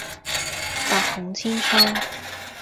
百孔千瘡